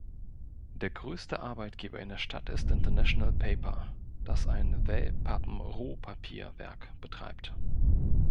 Der größte Arbeitgeber in der Stadt ist International Paper, das ein Wellpappenrohpapier-Werk betreibt.